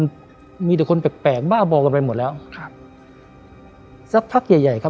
มันมีแต่คนแปลกแปลกบ้าบอกกันไปหมดแล้วครับสักพักใหญ่ใหญ่ครับ